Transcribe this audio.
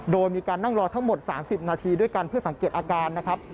โดยมีการนั่งรอทั้งหมด๓๐นาทีด้วยกันเพื่อสังเกตอาการนะครับ